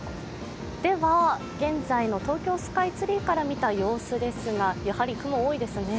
現在の東京スカイツリーから見た様子ですが、やはり雲、多いですね。